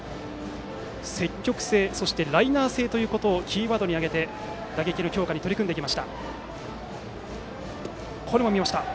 積極性、そしてライナー性ということをキーワードに挙げて打撃強化に取り組んできました。